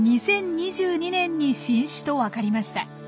２０２２年に新種と分かりました。